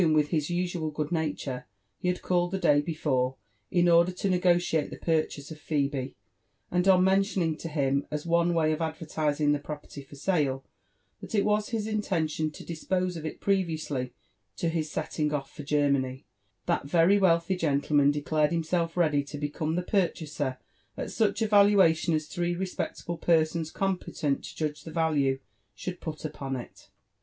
SOS with his usual good nature, he had called the day beforein order to ne gociate the purchase of Phebe; and on mentioning to him» as one way of advertising the property for sale, that it was his intention to dispose of it previously to his setting off for Germany, that very wealthy gentleman declared himself ready to become the purchaser at such a valuation as three respectable persons competent tojudge the value should put upon it.